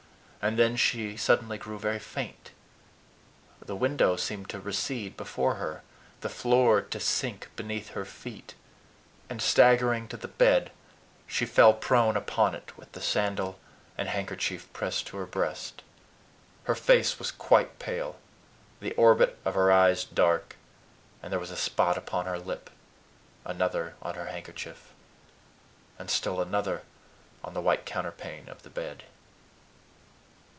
And then she suddenly grew very faint. The window seemed to recede before her, the floor to sink beneath her feet; and staggering to the bed, she fell prone upon it with the sandal and handkerchief pressed to her breast. Her face was quite pale, the orbit of her eyes dark; and there was a spot upon her lip, another on her handkerchief, and still another on the white counterpane of the bed.